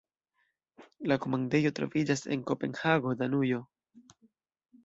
La komandejo troviĝas en Kopenhago, Danujo.